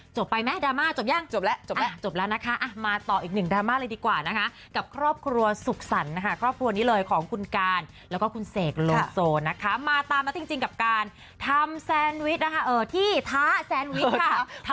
ไปไหมดราม่าจบยังจบแล้วจบแล้วจบแล้วนะคะมาต่ออีกหนึ่งดราม่าเลยดีกว่านะคะกับครอบครัวสุขสรรค์นะคะครอบครัวนี้เลยของคุณการแล้วก็คุณเสกโลโซนะคะมาตามแล้วจริงกับการทำแซนวิชนะคะที่ท้าแซนวิชค่ะ